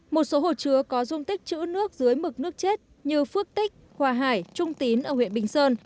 một số hồ chứa có dung tích chữ nước dưới mực nước chết như phước tích hòa hải trung tín ở huyện bình sơn